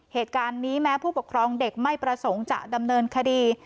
เหตุการณ์นี้แม้ผู้ปกครองเด็กไม่ประสงค์จะดำเนินคดี